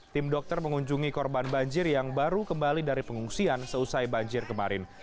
tim dokter mengunjungi korban banjir yang baru kembali dari pengungsian seusai banjir kemarin